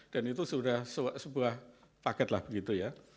itu sudah sebuah paket lah begitu ya